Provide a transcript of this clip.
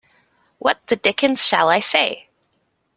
What the dickens shall I say?